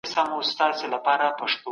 دښمن د هغه د کلکې هوډ پر وړاندې تسلیم شو.